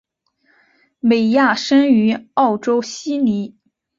美亚生于澳洲悉尼。